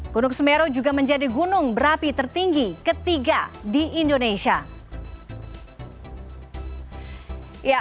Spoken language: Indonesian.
gunung semeru juga menjadi gunung berapi tertinggi ketiga di indonesia